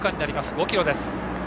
５ｋｍです。